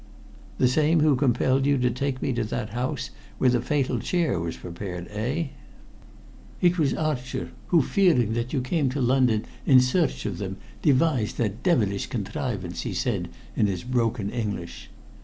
"The same who compelled you take me to that house where the fatal chair was prepared, eh?" "It was Archer, who, fearing that you came to London in search of them, devised that devilish contrivance," he said in his broken English.